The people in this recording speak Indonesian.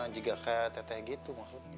jika kayak teteh gitu